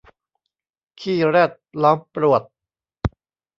ขี้แรดล้อมปรวด